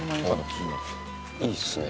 ・いいっすね。